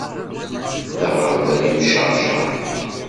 D aɣerbal imceṛceṛ.